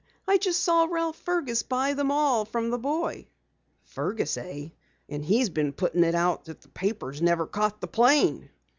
I just saw Ralph Fergus buy them all from the boy." "Fergus, eh? And he's been puttin' it out that the papers never caught the plane!"